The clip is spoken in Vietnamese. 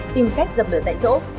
tìm cách dập lửa tại chỗ